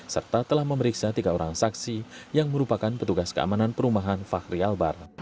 serta telah memeriksa tiga orang saksi yang merupakan petugas keamanan perumahan fahri albar